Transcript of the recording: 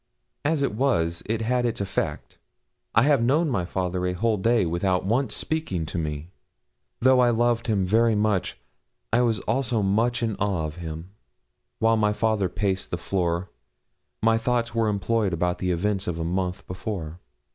As it was, it had its effect. I have known my father a whole day without once speaking to me. Though I loved him very much, I was also much in awe of him. While my father paced the floor, my thoughts were employed about the events of a month before.